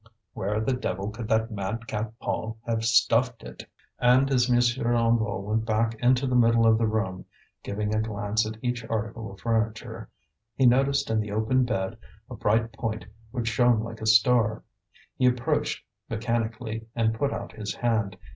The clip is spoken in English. Where the devil could that madcap Paul have stuffed it? And as M. Hennebeau went back into the middle of the room, giving a glance at each article of furniture, he noticed in the open bed a bright point which shone like a star. He approached mechanically and put out his hand.